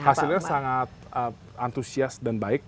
hasilnya sangat antusias dan baik